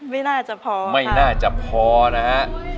ไม่น่าจะพอไม่น่าจะพอนะฮะ